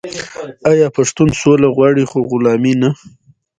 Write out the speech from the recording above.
آیا پښتون سوله غواړي خو غلامي نه؟